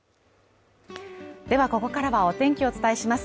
ではここからはお天気をお伝えします